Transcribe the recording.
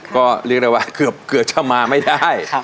ก็เรียกได้ว่าเกือบจะมาไม่ได้